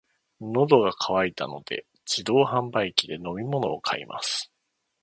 喉が渇いたので、自動販売機で飲み物を買います。